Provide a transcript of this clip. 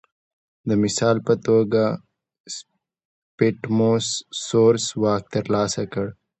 د مثال په توګه سیپټیموس سوروس واک ترلاسه کړ